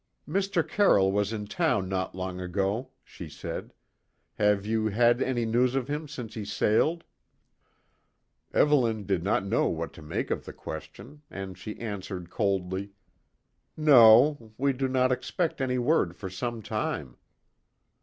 "Mr. Carroll was in town not long ago," she said. "Have you had any news of him since he sailed?" Evelyn did not know what to make of the question, and she answered coldly: "No; we do not expect any word for some time."